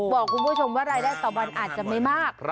บอกคุณผู้ชมว่ารายได้ต่อวันอาจจะไม่มาก